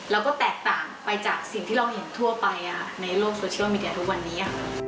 แล้วก็แตกต่างไปจากสิ่งที่เราเห็นทั่วไปในโลกโซเชียลมีเดียทุกวันนี้